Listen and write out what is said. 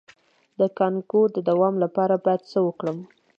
د کانګو د دوام لپاره باید څه وکړم؟